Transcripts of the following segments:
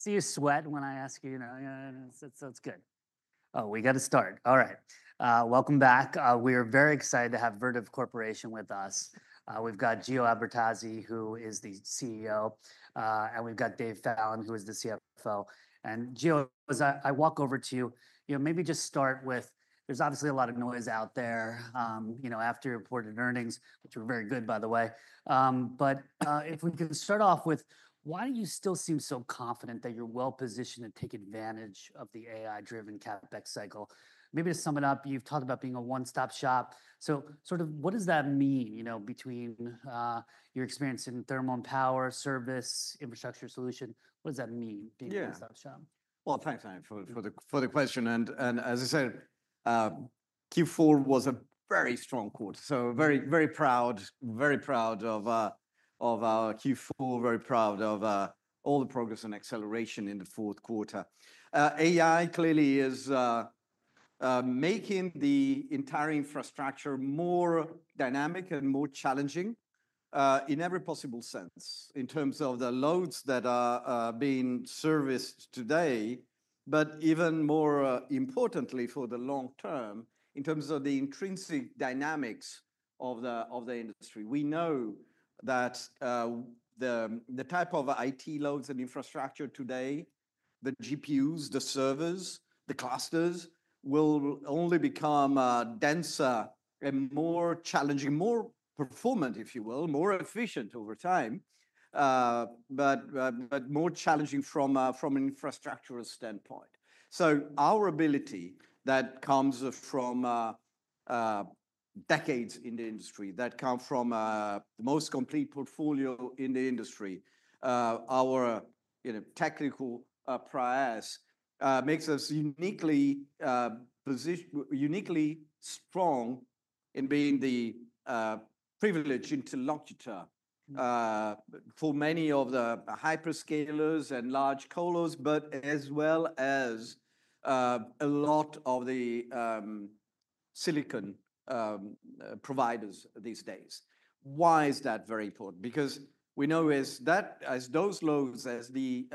See you sweat when I ask you, you know, that's good. Oh, we got to start. All right. Welcome back. We are very excited to have Vertiv Corporation with us. We've got Gio Albertazzi, who is the CEO, and we've got Dave Fallon, who is the CFO. And Gio, as I walk over to you, you know, maybe just start with, there's obviously a lot of noise out there, you know, after reported earnings, which were very good, by the way. But if we can start off with, why do you still seem so confident that you're well positioned to take advantage of the AI-driven CapEx cycle? Maybe to sum it up, you've talked about being a one-stop shop. So sort of what does that mean, you know, between your experience in thermal and power service infrastructure solution? What does that mean, being a one-stop shop? Yeah. Thanks, Anand, for the question. As I said, Q4 was a very strong quarter. Very, very proud, very proud of our Q4, very proud of all the progress and acceleration in the fourth quarter. AI clearly is making the entire infrastructure more dynamic and more challenging in every possible sense in terms of the loads that are being serviced today, but even more importantly for the long term in terms of the intrinsic dynamics of the industry. We know that the type of IT loads and infrastructure today, the GPUs, the servers, the clusters will only become denser and more challenging, more performant, if you will, more efficient over time, but more challenging from an infrastructural standpoint. Our ability that comes from decades in the industry, that come from the most complete portfolio in the industry, our technical prowess makes us uniquely strong in being the privileged interlocutor for many of the hyperscalers and large colos, but as well as a lot of the silicon providers these days. Why is that very important? Because we know as those loads, as the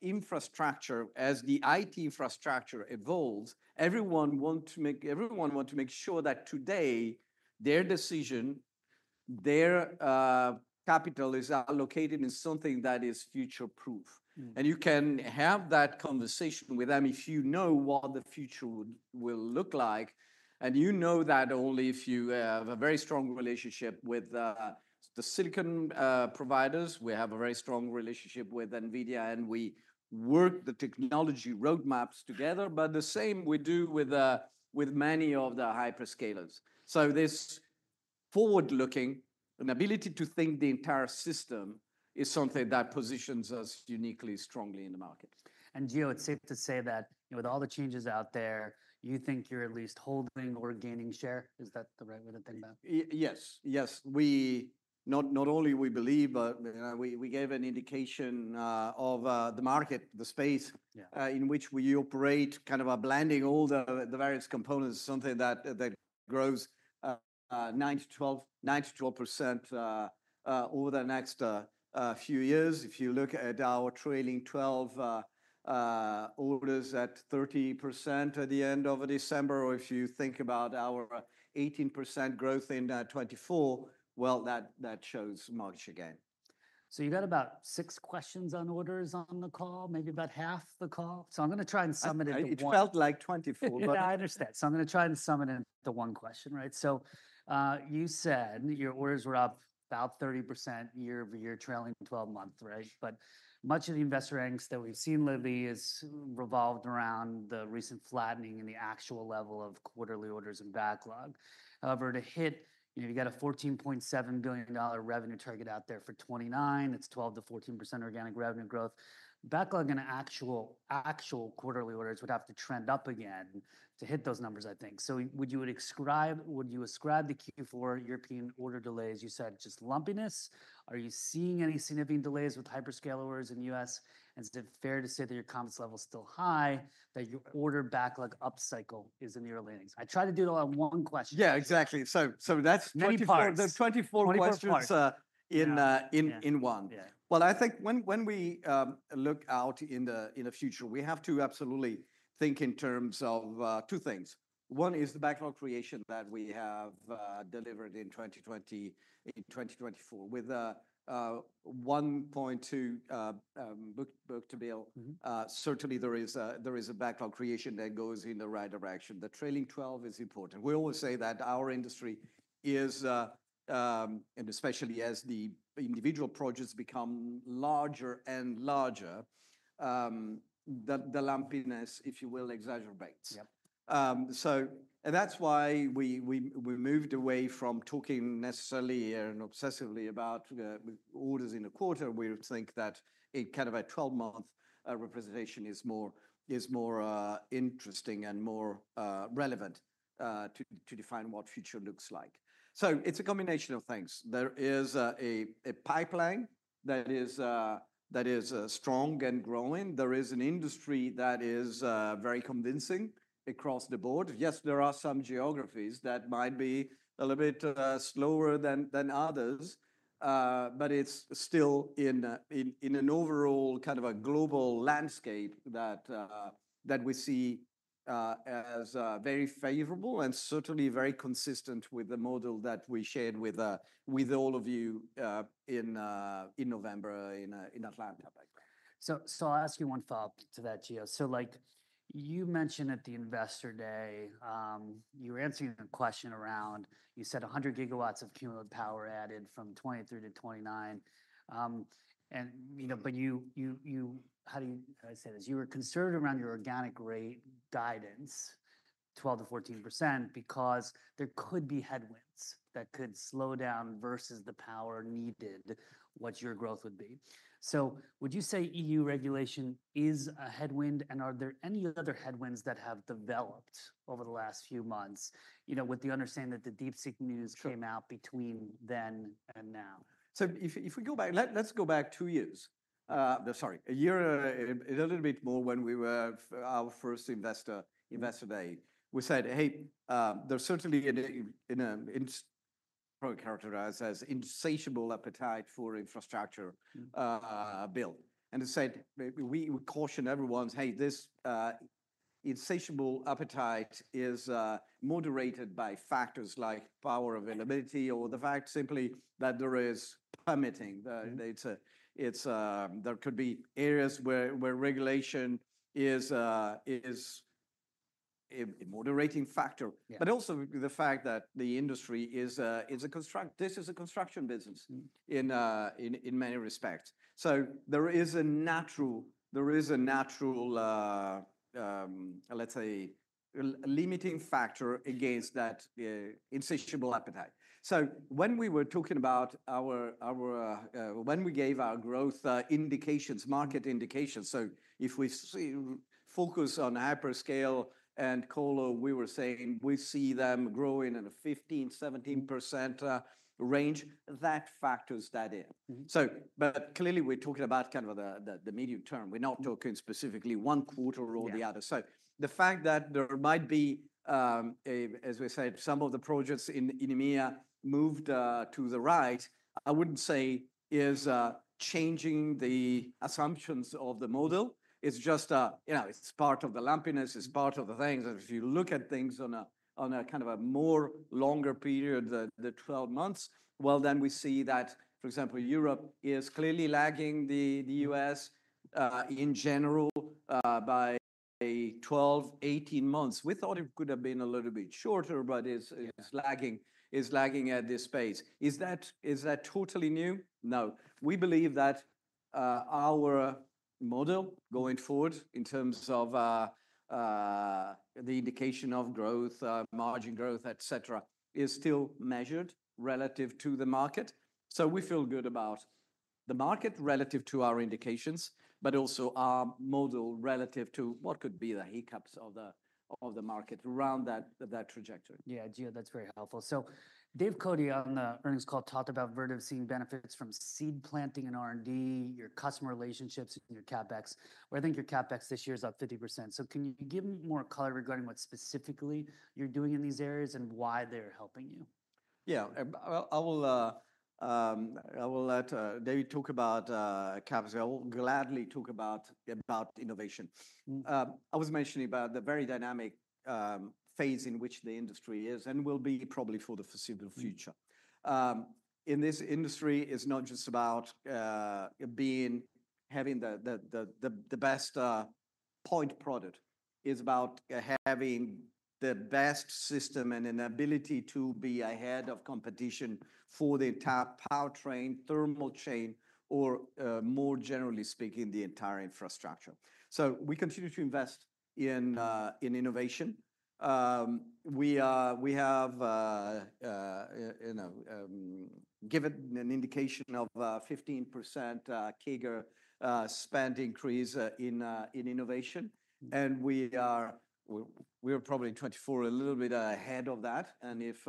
infrastructure, as the IT infrastructure evolves, everyone wants to make sure that today their decision, their capital is allocated in something that is future-proof. And you can have that conversation with them if you know what the future will look like. And you know that only if you have a very strong relationship with the silicon providers. We have a very strong relationship with NVIDIA, and we work the technology roadmaps together, but the same we do with many of the hyperscalers. So this forward-looking and ability to think the entire system is something that positions us uniquely strongly in the market. Gio, it's safe to say that with all the changes out there, you think you're at least holding or gaining share? Is that the right way to think about it? Yes. Yes. Not only we believe, but we gave an indication of the market, the space in which we operate, kind of a blending of all the various components, something that grows 9%-12% over the next few years. If you look at our trailing 12 orders at 30% at the end of December, or if you think about our 18% growth in 2024, well, that shows market share gain. So you got about six questions on orders on the call, maybe about half the call. So I'm going to try and sum it in. It felt like 24, but. Yeah, I understand. So I'm going to try and sum it in the one question, right? So you said your orders were up about 30% year-over-year, trailing 12 months, right? But much of the investor angst that we've seen, lately, has revolved around the recent flattening in the actual level of quarterly orders and backlog. However, to hit, you know, you got a $14.7 billion revenue target out there for 2029. It's 12%-14% organic revenue growth. Backlog in actual quarterly orders would have to trend up again to hit those numbers, I think. So would you ascribe the Q4 European order delays, you said, just lumpiness? Are you seeing any significant delays with hyperscaler orders in the U.S.? And is it fair to say that your confidence level is still high, that your order backlog up cycle is in the early innings? I tried to do it all on one question. Yeah, exactly. So that's 24 questions in one. Well, I think when we look out in the future, we have to absolutely think in terms of two things. One is the backlog creation that we have delivered in 2024. With 1.2 book-to-bill, certainly there is a backlog creation that goes in the right direction. The trailing 12 is important. We always say that our industry is, and especially as the individual projects become larger and larger, the lumpiness, if you will, exaggerates. And that's why we moved away from talking necessarily and obsessively about orders in the quarter. We think that kind of a 12-month representation is more interesting and more relevant to define what future looks like. So it's a combination of things. There is a pipeline that is strong and growing. There is an industry that is very convincing across the board. Yes, there are some geographies that might be a little bit slower than others, but it's still in an overall kind of a global landscape that we see as very favorable and certainly very consistent with the model that we shared with all of you in November in Atlanta. So I'll ask you one follow-up to that, Gio. So like you mentioned at the investor day, you were answering a question around, you said 100 GW of cumulative power added from 2023 to 2029. And you know, but you, how do I say this? You were concerned around your organic rate guidance, 12%-14%, because there could be headwinds that could slow down versus the power needed, what your growth would be. So would you say EU regulation is a headwind? And are there any other headwinds that have developed over the last few months, you know, with the understanding that the DeepSeek news came out between then and now? So if we go back, let's go back two years. Sorry, a year and a little bit more when we were our first investor day. We said, hey, there's certainly an insatiable appetite for infrastructure build. And we cautioned everyone, hey, this insatiable appetite is moderated by factors like power availability or the fact simply that there is permitting. There could be areas where regulation is a moderating factor, but also the fact that the industry is a construction, this is a construction business in many respects. So there is a natural, let's say, limiting factor against that insatiable appetite. So when we were talking about our, when we gave our growth indications, market indications, so if we focus on hyperscale and colo, we were saying we see them growing in a 15%-17% range, that factors that in. But clearly we're talking about kind of the medium term. We're not talking specifically one quarter or the other. So the fact that there might be, as we said, some of the projects in EMEA moved to the right, I wouldn't say is changing the assumptions of the model. It's just, you know, it's part of the lumpiness, it's part of the things. And if you look at things on a kind of a more longer period, the 12 months, well, then we see that, for example, Europe is clearly lagging the U.S. in general by 12, 18 months. We thought it could have been a little bit shorter, but it's lagging at this pace. Is that totally new? No. We believe that our model going forward in terms of the indication of growth, margin growth, et cetera, is still measured relative to the market. So we feel good about the market relative to our indications, but also our model relative to what could be the hiccups of the market around that trajectory. Yeah, Gio, that's very helpful. So Dave Cote on the earnings call talked about Vertiv seeing benefits from seed planting and R&D, your customer relationships and your CapEx, where I think your CapEx this year is up 50%. So can you give more color regarding what specifically you're doing in these areas and why they're helping you? Yeah, I will let David talk about CapEx. I will gladly talk about innovation. I was mentioning about the very dynamic phase in which the industry is and will be probably for the foreseeable future. In this industry, it's not just about having the best point product. It's about having the best system and an ability to be ahead of competition for the entire power train, thermal chain, or more generally speaking, the entire infrastructure. So we continue to invest in innovation. We have given an indication of 15% CAGR spend increase in innovation. And we are probably in 2024 a little bit ahead of that. And if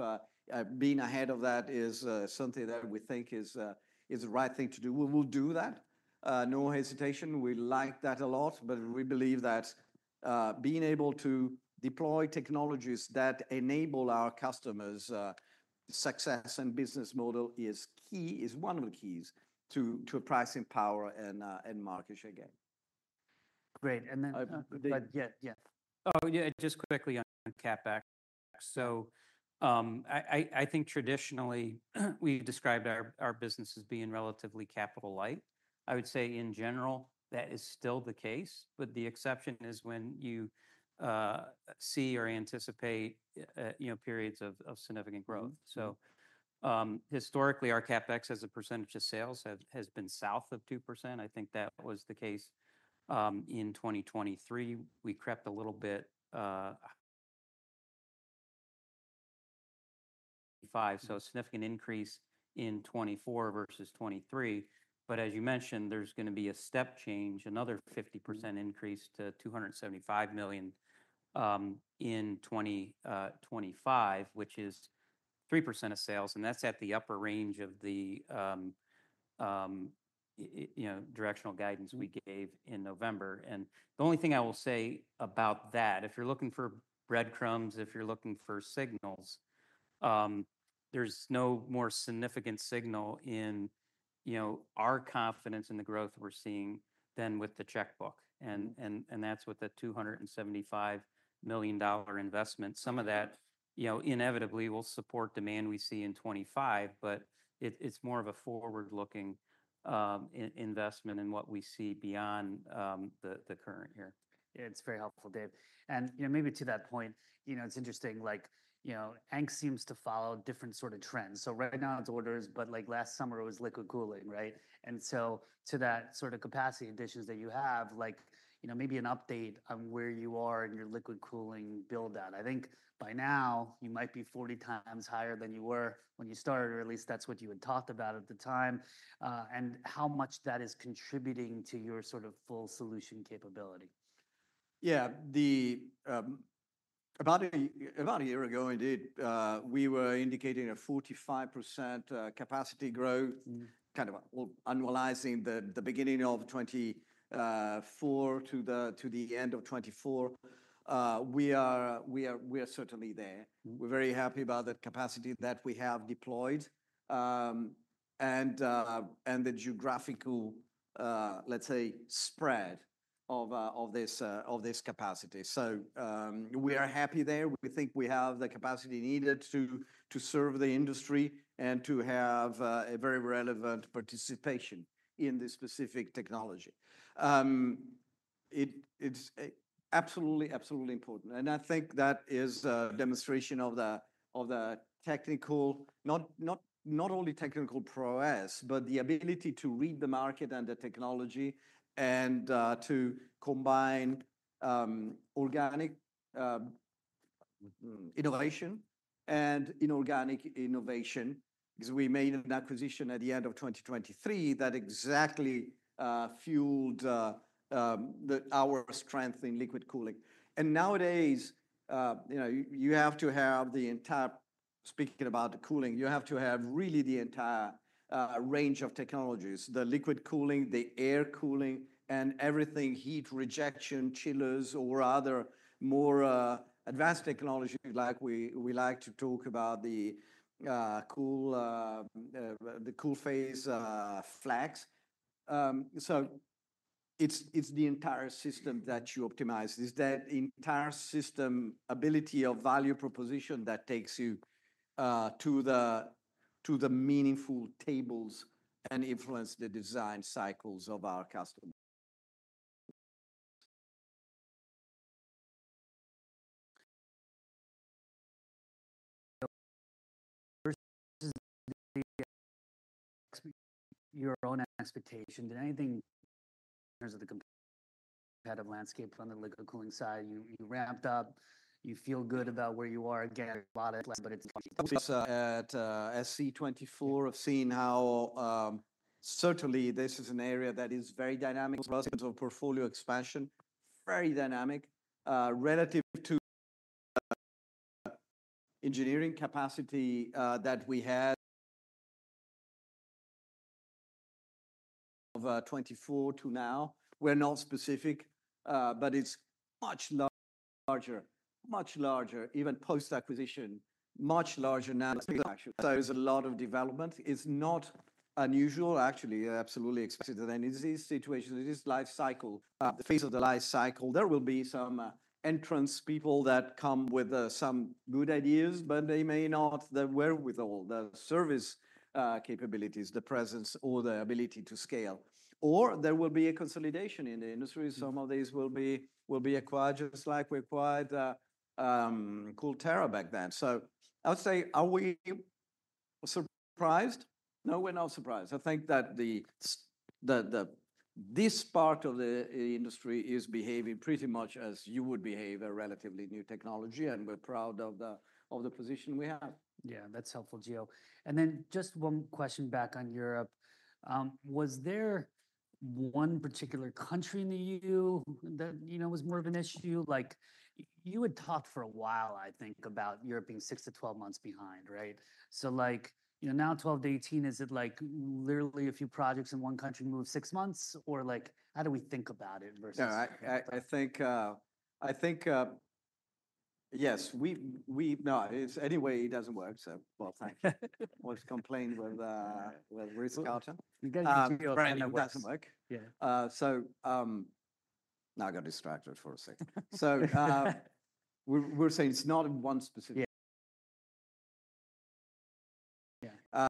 being ahead of that is something that we think is the right thing to do, we will do that. No hesitation. We like that a lot, but we believe that being able to deploy technologies that enable our customers' success and business model is key, is one of the keys to pricing power and market share gain. Great. And then, yeah, yeah. Oh, yeah, just quickly on CapEx. So I think traditionally we've described our business as being relatively capital light. I would say in general, that is still the case, but the exception is when you see or anticipate, you know, periods of significant growth. So historically, our CapEx as a percentage of sales has been south of 2%. I think that was the case in 2023. We crept a little bit 2.5%, so a significant increase in 2024 versus 2023. But as you mentioned, there's going to be a step change, another 50% increase to $275 million in 2025, which is 3% of sales. And that's at the upper range of the directional guidance we gave in November. The only thing I will say about that, if you're looking for breadcrumbs, if you're looking for signals, there's no more significant signal in, you know, our confidence in the growth we're seeing than with the checkbook. That's with the $275 million investment. Some of that, you know, inevitably will support demand we see in 2025, but it's more of a forward-looking investment in what we see beyond the current year. Yeah, it's very helpful, Dave. And you know, maybe to that point, you know, it's interesting, like, you know, APAC seems to follow different sort of trends. So right now it's orders, but like last summer it was liquid cooling, right? And so to that sort of capacity additions that you have, like, you know, maybe an update on where you are in your liquid cooling build-out. I think by now you might be 40 times higher than you were when you started, or at least that's what you had talked about at the time. And how much that is contributing to your sort of full solution capability? Yeah, about a year ago, indeed, we were indicating a 45% capacity growth, kind of analyzing the beginning of 2024 to the end of 2024. We are certainly there. We're very happy about the capacity that we have deployed and the geographical, let's say, spread of this capacity. So we are happy there. We think we have the capacity needed to serve the industry and to have a very relevant participation in this specific technology. It's absolutely, absolutely important. And I think that is a demonstration of the technical, not only technical prowess, but the ability to read the market and the technology and to combine organic innovation and inorganic innovation, because we made an acquisition at the end of 2023 that exactly fueled our strength in liquid cooling. And nowadays, you know, you have to have the entire, speaking about the cooling, you have to have really the entire range of technologies, the liquid cooling, the air cooling, and everything, heat rejection, chillers, or other more advanced technology, like we like to talk about the CoolPhase Flex. So it's the entire system that you optimize. It's that entire system ability of value proposition that takes you to the meaningful tables and influences the design cycles of our customers. Versus your own expectation, did anything in terms of the competitive landscape on the liquid cooling side, you ramped up, you feel good about where you are, again, a lot of flexibility? At SC24, I've seen how certainly this is an area that is very dynamic in terms of portfolio expansion, very dynamic, relative to engineering capacity that we had in 2024 to now. We're not specific, but it's much larger, much larger, even post-acquisition, much larger now. So there's a lot of development. It's not unusual, actually, absolutely expected that in these situations, in this life cycle, the phase of the life cycle, there will be some entrants that come with some good ideas, but they may not be aware of all the service capabilities, the presence, or the ability to scale, or there will be a consolidation in the industry. Some of these will be acquired just like we acquired CoolTera back then, so I would say, are we surprised? No, we're not surprised. I think that this part of the industry is behaving pretty much as you would behave a relatively new technology, and we're proud of the position we have. Yeah, that's helpful, Gio. And then just one question back on Europe. Was there one particular country in the EU that, you know, was more of an issue? Like you had talked for a while, I think, about Europe being six to 12 months behind, right? So like, you know, now 12 to 18, is it like literally a few projects in one country move six months? Or like, how do we think about it versus? Anyway, it doesn't work so well, thanks. I was complaining with Ritz-Carlton. You guys need to be okay. It doesn't work. Yeah. So now I got distracted for a second. So we're saying it's not in one specific. Yeah.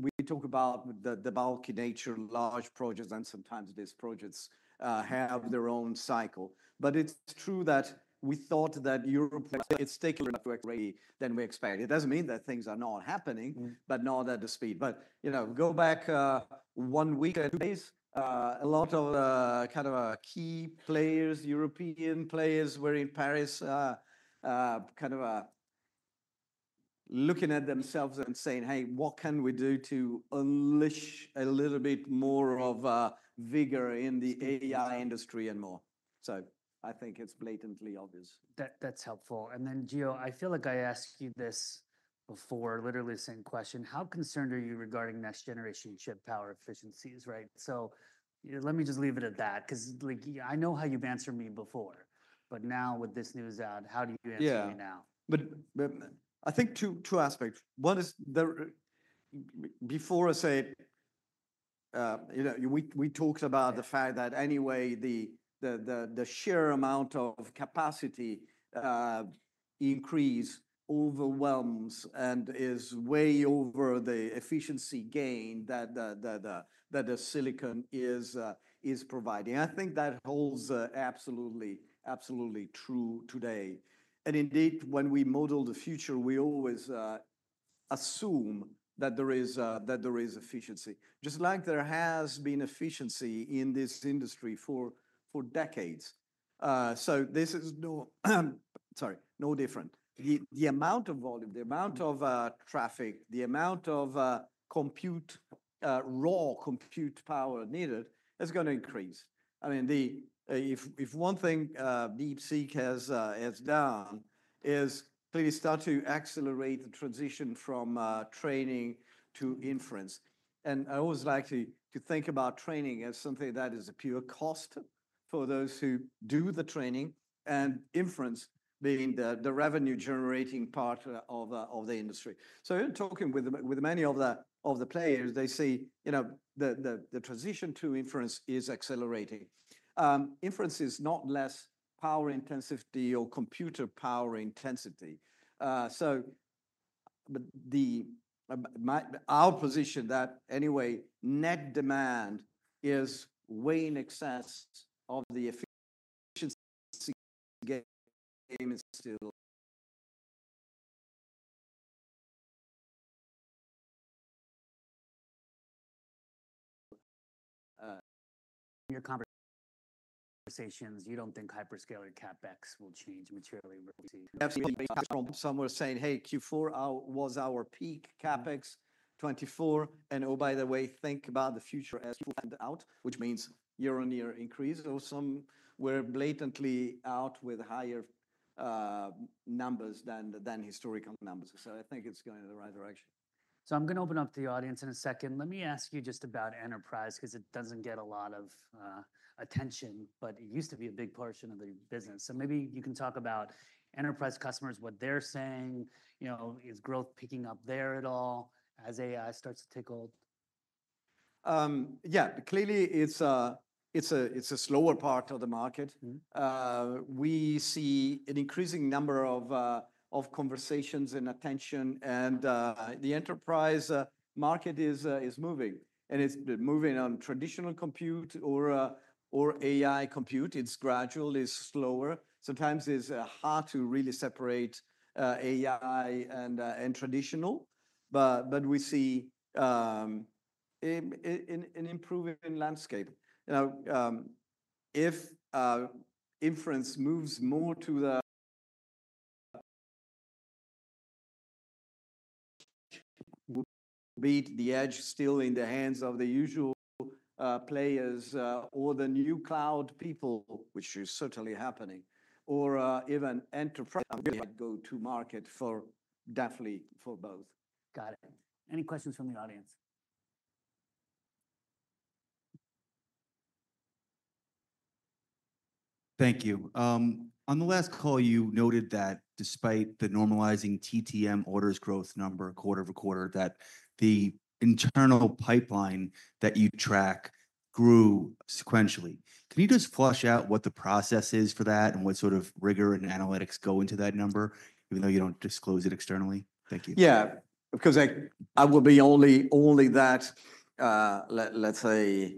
We talk about the bulky nature, large projects, and sometimes these projects have their own cycle. But it's true that we thought that Europe is taking a lot of action than we expect. It doesn't mean that things are not happening, but not at the speed. But, you know, go back one week or two days, a lot of kind of key players, European players, were in Paris kind of looking at themselves and saying, hey, what can we do to unleash a little bit more of vigor in the AI industry and more? So I think it's blatantly obvious. That's helpful. And then, Gio, I feel like I asked you this before, literally the same question. How concerned are you regarding next-generation chip power efficiencies, right? So let me just leave it at that, because I know how you've answered me before, but now with this news out, how do you answer me now? Yeah, but I think two aspects. One is before I say, you know, we talked about the fact that anyway, the sheer amount of capacity increase overwhelms and is way over the efficiency gain that the silicon is providing. I think that holds absolutely, absolutely true today. And indeed, when we model the future, we always assume that there is efficiency, just like there has been efficiency in this industry for decades. So this is no, sorry, no different. The amount of volume, the amount of traffic, the amount of compute, raw compute power needed is going to increase. I mean, if one thing DeepSeek has done is clearly start to accelerate the transition from training to inference. And I always like to think about training as something that is a pure cost for those who do the training and inference being the revenue-generating part of the industry. So in talking with many of the players, they see, you know, the transition to inference is accelerating. Inference is not less power intensity or computer power intensity. So our position that anyway, net demand is way in excess of the efficiency gain is still. In your conversations, you don't think hyperscaler CapEx will change materially? Absolutely. Some were saying, hey, Q4 was our peak CapEx 2024. And oh, by the way, think about the future as planned out, which means year-on-year increase. So some were blatantly out with higher numbers than historical numbers. So I think it's going in the right direction. So I'm going to open up to the audience in a second. Let me ask you just about enterprise, because it doesn't get a lot of attention, but it used to be a big portion of the business. So maybe you can talk about enterprise customers, what they're saying, you know, is growth picking up there at all as AI starts to trickle? Yeah, clearly it's a slower part of the market. We see an increasing number of conversations and attention, and the enterprise market is moving. And it's moving on traditional compute or AI compute. It's gradual, it's slower. Sometimes it's hard to really separate AI and traditional, but we see an improving landscape. Now, if inference moves more to the edge, still in the hands of the usual players or the new cloud people, which is certainly happening, or even enterprise, I would go to market for definitely for both. Got it. Any questions from the audience? Thank you. On the last call, you noted that despite the normalizing TTM orders growth number quarter over quarter, that the internal pipeline that you track grew sequentially. Can you just flesh out what the process is for that and what sort of rigor and analytics go into that number, even though you don't disclose it externally? Thank you. Yeah, because I will be only that, let's say.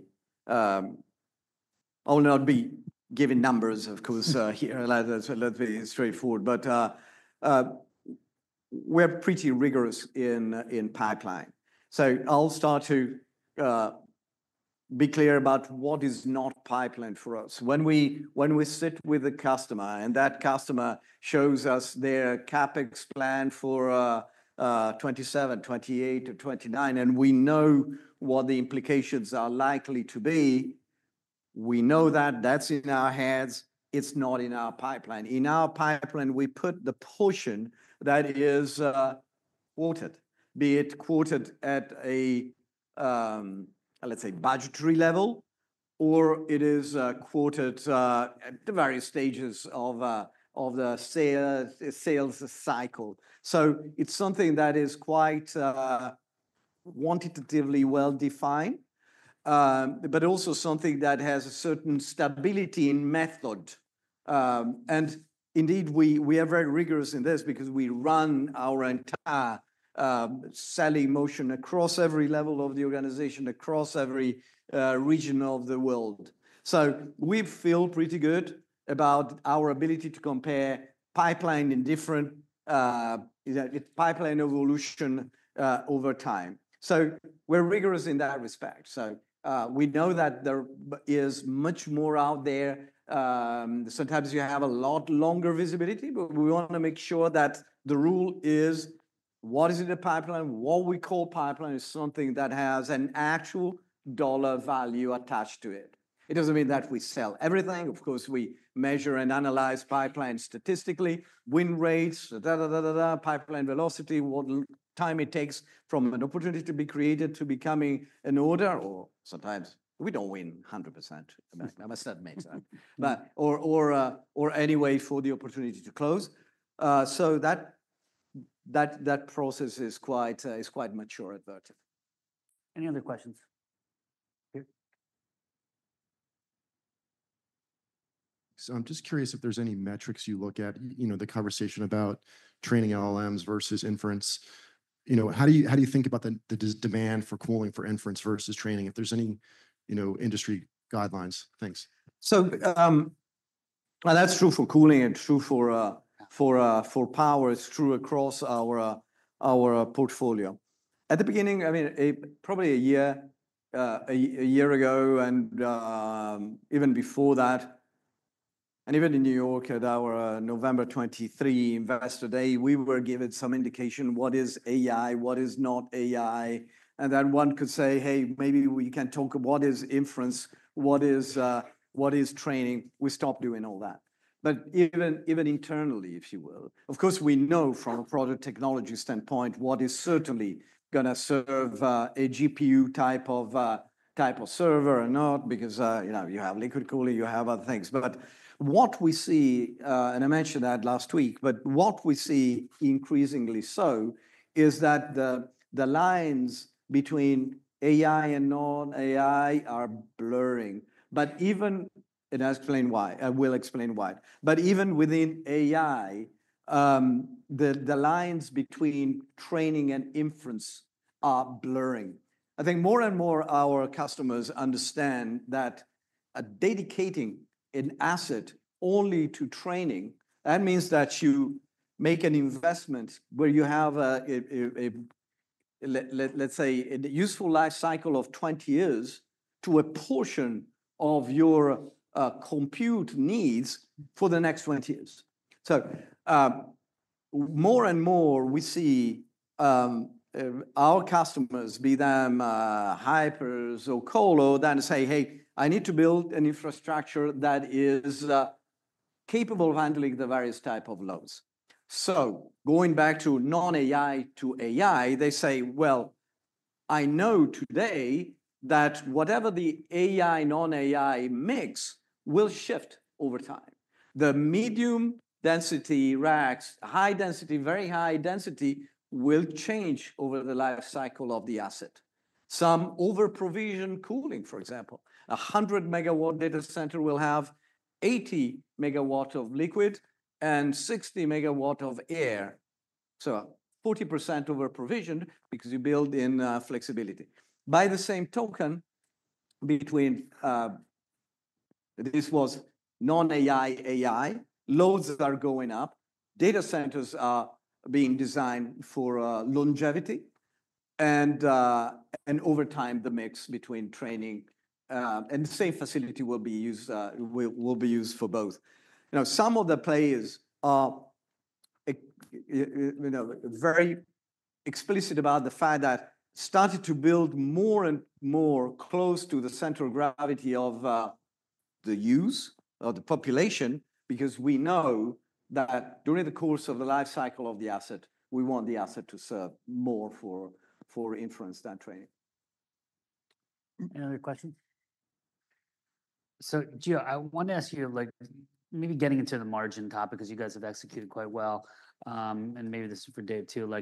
I'll not be giving numbers, of course, like that's straightforward, but we're pretty rigorous in pipeline. So I'll start to be clear about what is not pipeline for us. When we sit with a customer and that customer shows us their CapEx plan for 2027, 2028, or 2029, and we know what the implications are likely to be, we know that that's in our heads. It's not in our pipeline. In our pipeline, we put the portion that is quoted, be it quoted at a, let's say, budgetary level, or it is quoted at the various stages of the sales cycle. So it's something that is quite quantitatively well defined, but also something that has a certain stability in method. Indeed, we are very rigorous in this because we run our entire selling motion across every level of the organization, across every region of the world. We feel pretty good about our ability to compare pipeline in different pipeline evolution over time. We're rigorous in that respect. We know that there is much more out there. Sometimes you have a lot longer visibility, but we want to make sure that the rule is what is in the pipeline. What we call pipeline is something that has an actual dollar value attached to it. It doesn't mean that we sell everything. Of course, we measure and analyze pipeline statistically, win rates, pipeline velocity, what time it takes from an opportunity to be created to becoming an order, or sometimes we don't win 100%. I must admit that. Or anyway, for the opportunity to close. So that process is quite mature and advertised. Any other questions? So I'm just curious if there's any metrics you look at, you know, the conversation about training LLMs versus inference. You know, how do you think about the demand for cooling for inference versus training, if there's any, you know, industry guidelines? Thanks. So that's true for cooling and true for power. It's true across our portfolio. At the beginning, I mean, probably a year ago, and even before that, and even in New York at our November 2023 Investor Day, we were given some indication what is AI, what is not AI. And then one could say, hey, maybe we can talk about what is inference, what is training. We stopped doing all that. But even internally, if you will, of course, we know from a product technology standpoint what is certainly going to serve a GPU type of server or not, because you have liquid cooling, you have other things. But what we see, and I mentioned that last week, but what we see increasingly so is that the lines between AI and non-AI are blurring. But even, and I'll explain why, I will explain why. But even within AI, the lines between training and inference are blurring. I think more and more our customers understand that dedicating an asset only to training, that means that you make an investment where you have, let's say, a useful life cycle of 20 years to a portion of your compute needs for the next 20 years. So more and more we see our customers, be they hypers or colo, they say, hey, I need to build an infrastructure that is capable of handling the various types of loads. So going back to non-AI to AI, they say, well, I know today that whatever the AI non-AI mix will shift over time. The medium density racks, high density, very high density will change over the life cycle of the asset. Some over-provision cooling, for example, a 100 MW data center will have 80 MW of liquid and 60 MW of air, so 40% over-provision because you build in flexibility. By the same token, between this was non-AI, AI loads are going up. Data centers are being designed for longevity, and over time, the mix between training and the same facility will be used for both. Now, some of the players are very explicit about the fact that started to build more and more close to the central gravity of the use of the population, because we know that during the course of the life cycle of the asset, we want the asset to serve more for inference than training. Any other questions? So, Gio, I want to ask you, maybe getting into the margin topic, because you guys have executed quite well, and maybe this is for Dave too.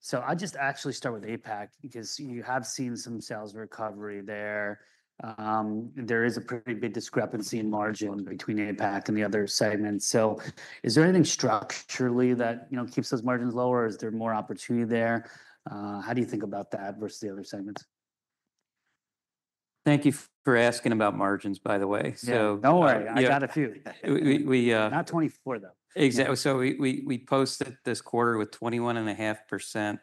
So, I'll just actually start with APAC, because you have seen some sales recovery there. There is a pretty big discrepancy in margin between APAC and the other segments. So, is there anything structurally that keeps those margins lower? Is there more opportunity there? How do you think about that versus the other segments? Thank you for asking about margins, by the way. No worries. I got a few. Not 24, though. Exactly. So we posted this quarter with 21.5%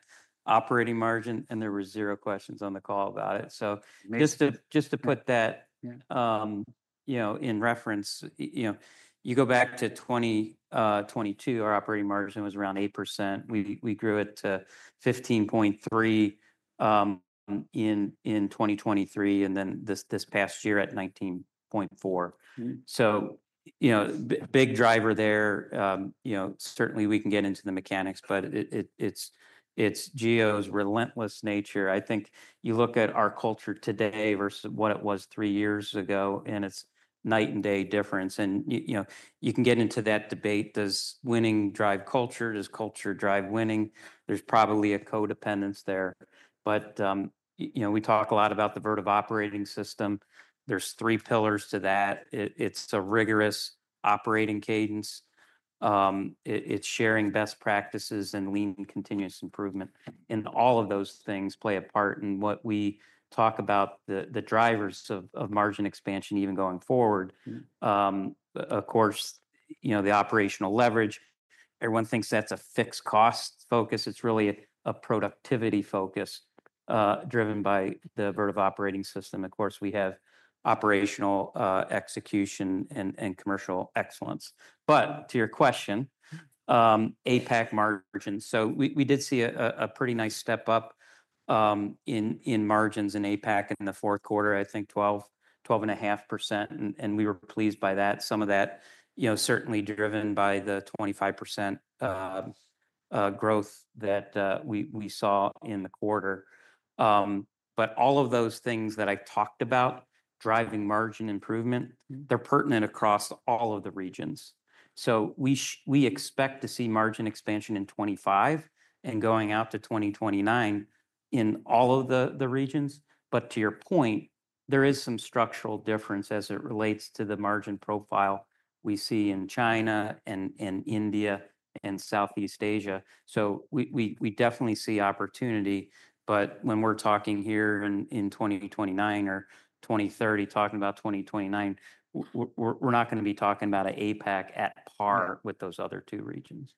operating margin, and there were zero questions on the call about it. So just to put that in reference, you go back to 2022, our operating margin was around 8%. We grew it to 15.3% in 2023, and then this past year at 19.4%. So big driver there. Certainly, we can get into the mechanics, but it's Gio's relentless nature. I think you look at our culture today versus what it was three years ago, and it's night and day difference. And you can get into that debate. Does winning drive culture? Does culture drive winning? There's probably a co-dependence there. But we talk a lot about the Vertiv Operating System. There's three pillars to that. It's a rigorous operating cadence. It's sharing best practices and lean continuous improvement. And all of those things play a part in what we talk about the drivers of margin expansion even going forward. Of course, the operational leverage, everyone thinks that's a fixed cost focus. It's really a productivity focus driven by the Vertiv Operating System. Of course, we have operational execution and commercial excellence. But to your question, APAC margins, so we did see a pretty nice step up in margins in APAC in the fourth quarter, I think 12.5%. And we were pleased by that. Some of that, certainly driven by the 25% growth that we saw in the quarter. But all of those things that I talked about, driving margin improvement, they're pertinent across all of the regions. So we expect to see margin expansion in 2025 and going out to 2029 in all of the regions. But to your point, there is some structural difference as it relates to the margin profile we see in China and India and Southeast Asia. So we definitely see opportunity. But when we're talking here in 2029 or 2030, talking about 2029, we're not going to be talking about an APAC at par with those other two regions.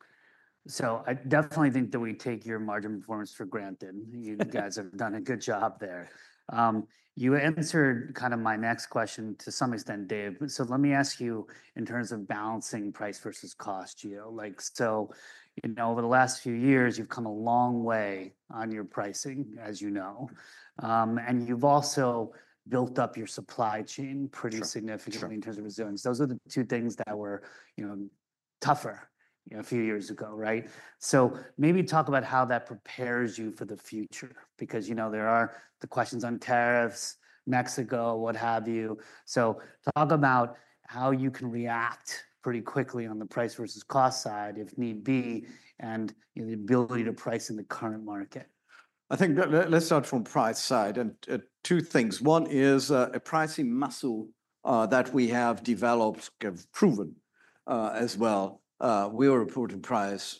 So I definitely think that we take your margin performance for granted. You guys have done a good job there. You answered kind of my next question to some extent, Dave. So let me ask you in terms of balancing price versus cost, Gio. So over the last few years, you've come a long way on your pricing, as you know. And you've also built up your supply chain pretty significantly in terms of resilience. Those are the two things that were tougher a few years ago, right? So maybe talk about how that prepares you for the future, because there are the questions on tariffs, Mexico, what have you. So talk about how you can react pretty quickly on the price versus cost side, if need be, and the ability to price in the current market. I think, let's start from price side, and two things. One is a pricing muscle that we have developed, have proven as well. We were reporting prices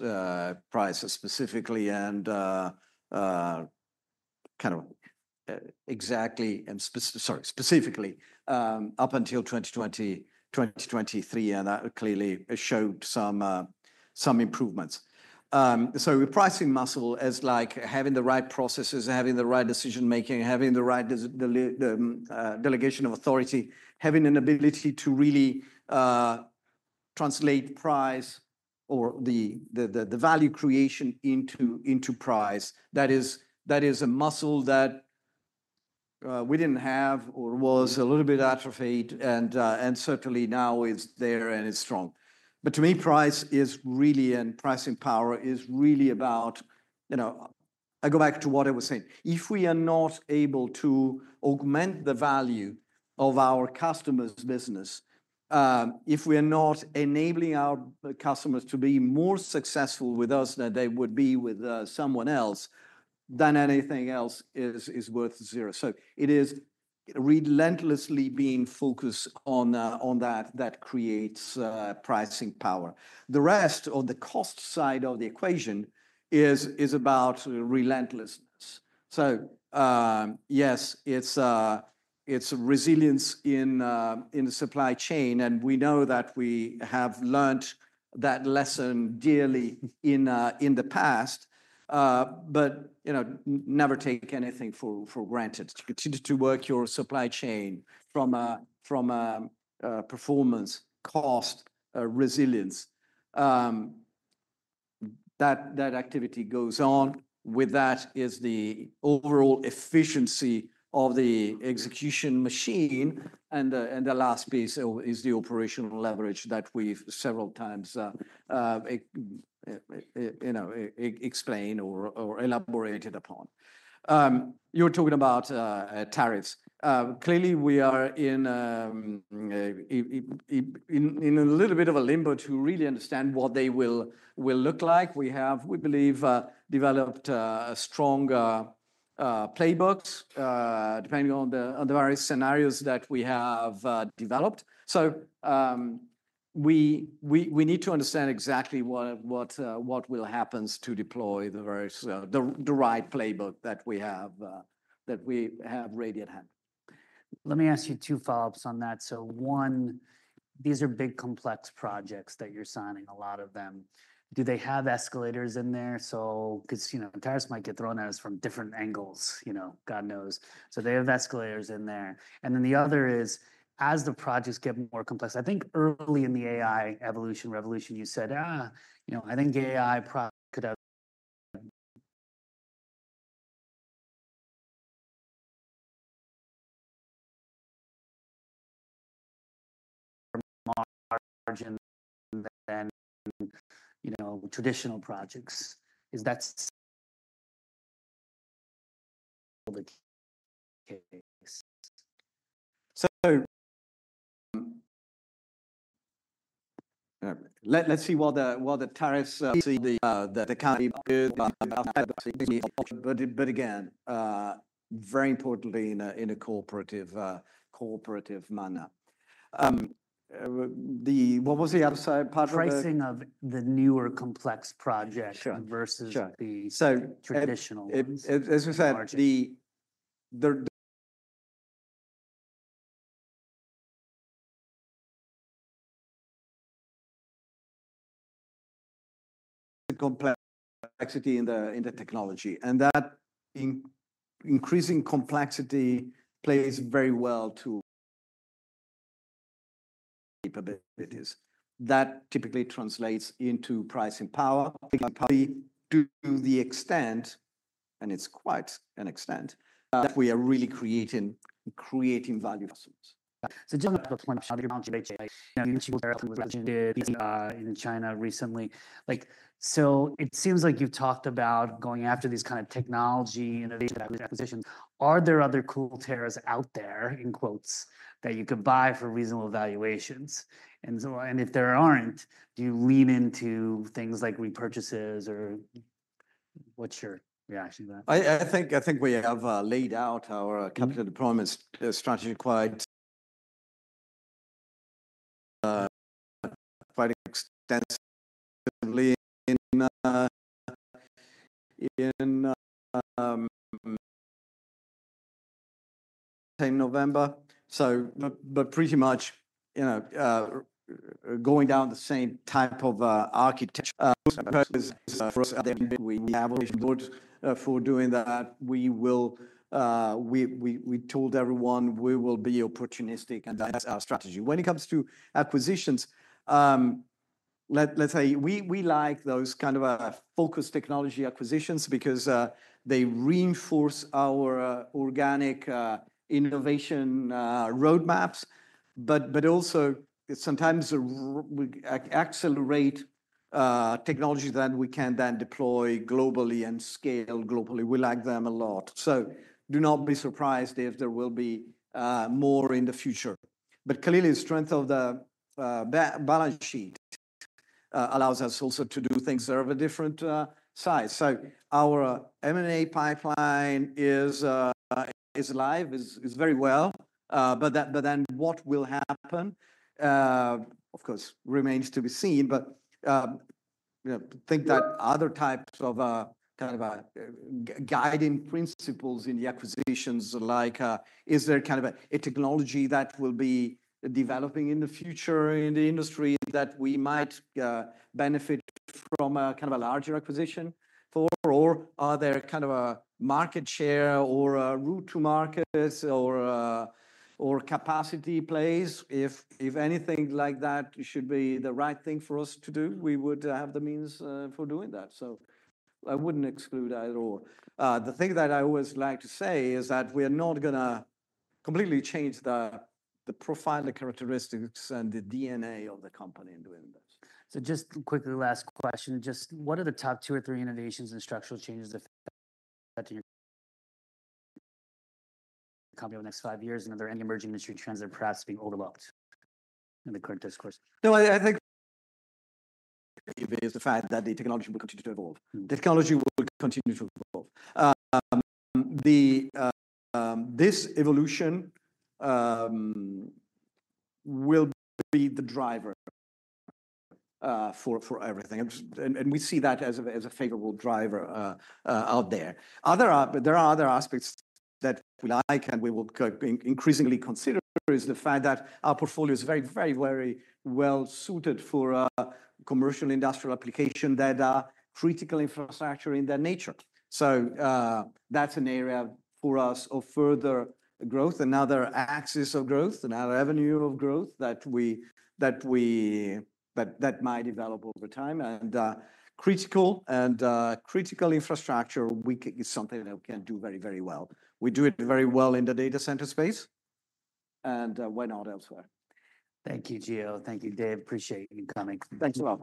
specifically and kind of exactly and sorry, specifically up until 2023, and that clearly showed some improvements, so the pricing muscle is like having the right processes, having the right decision-making, having the right delegation of authority, having an ability to really translate price or the value creation into price. That is a muscle that we didn't have or was a little bit atrophied, and certainly now it's there and it's strong, but to me, price is really, and pricing power is really about, I go back to what I was saying. If we are not able to augment the value of our customers' business, if we are not enabling our customers to be more successful with us than they would be with someone else, then anything else is worth zero. So it is relentlessly being focused on that creates pricing power. The rest of the cost side of the equation is about relentlessness. So yes, it's resilience in the supply chain. And we know that we have learned that lesson dearly in the past, but never take anything for granted. To continue to work your supply chain from performance, cost, resilience. That activity goes on. With that is the overall efficiency of the execution machine. And the last piece is the operational leverage that we've several times explained or elaborated upon. You're talking about tariffs. Clearly, we are in a little bit of a limbo to really understand what they will look like. We have, we believe, developed strong playbooks depending on the various scenarios that we have developed. So we need to understand exactly what will happen to deploy the right playbook that we have ready at hand. Let me ask you two follow-ups on that. So one, these are big complex projects that you're signing, a lot of them. Do they have escalators in there? Because tariffs might get thrown at us from different angles. God knows. So they have escalators in there. And then the other is, as the projects get more complex, I think early in the AI evolution revolution, you said, I think AI could have margin than traditional projects. Is that the case? So let's see, while the tariffs. The country, but again, very importantly in a cooperative manner. What was the other side part of it? Pricing of the newer complex project versus the traditional. So, as I said, the complexity in the technology, and that increasing complexity plays very well to capabilities. That typically translates into pricing power. To the extent, and it's quite an extent, that we are really creating value customers. John, I've got one question about the impact of tariffs in China recently. It seems like you've talked about going after these kind of technology innovation acquisitions. Are there other cool targets out there, in quotes, that you could buy for reasonable valuations? And if there aren't, do you lean into things like repurchases or what's your reaction to that? I think we have laid out our capital deployment strategy quite extensively in November. But pretty much going down the same type of architecture. We have a vision board for doing that. We told everyone we will be opportunistic, and that's our strategy. When it comes to acquisitions, let's say we like those kind of focus technology acquisitions because they reinforce our organic innovation roadmaps. But also sometimes we accelerate technology that we can then deploy globally and scale globally. We like them a lot. So do not be surprised if there will be more in the future. But clearly, the strength of the balance sheet allows us also to do things that are of a different size. So our M&A pipeline is live, is very well. But then what will happen, of course, remains to be seen. But I think that other types of kind of guiding principles in the acquisitions, like is there kind of a technology that will be developing in the future in the industry that we might benefit from a kind of a larger acquisition for? Or are there kind of a market share or route to markets or capacity plays? If anything like that should be the right thing for us to do, we would have the means for doing that. So I wouldn't exclude either or. The thing that I always like to say is that we are not going to completely change the profile, the characteristics, and the DNA of the company in doing this. So just quickly, last question. Just what are the top two or three innovations and structural changes that affect the company over the next five years? And are there any emerging industry trends that are perhaps being overlooked in the current discourse? No, I think it is the fact that the technology will continue to evolve. The technology will continue to evolve. This evolution will be the driver for everything, and we see that as a favorable driver out there. There are other aspects that we like, and we will increasingly consider is the fact that our portfolio is very, very, very well suited for commercial industrial application that are critical infrastructure in that nature. So that's an area for us of further growth, another axis of growth, another avenue of growth that we might develop over time, and critical infrastructure is something that we can do very, very well. We do it very well in the data center space, and why not elsewhere? Thank you, Gio. Thank you, Dave. Appreciate you coming. Thanks a lot.